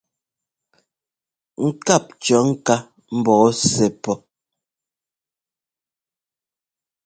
Ŋkáp cɔ̌ ŋká mbɔɔ sɛ́ pɔ́.